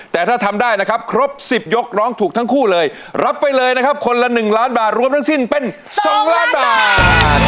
แต่ถ้าทำได้นะครับครบ๑๐ยกร้องถูกทั้งคู่เลยรับไปเลยนะครับคนละ๑ล้านบาทรวมทั้งสิ้นเป็น๒ล้านบาท